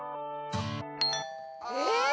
えっ！？